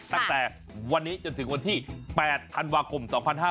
ตั้งแต่วันนี้จนถึงวันที่๘ธันวาคม๒๕๕๙